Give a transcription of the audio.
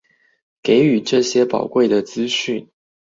給予這些寶貴的資訊